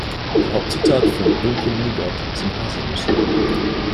Die Hauptzutat von dunklem Nougat sind Haselnüsse.